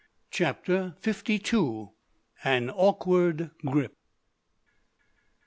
CHAPTER FIFTY TWO. AN AWKWARD GRIP.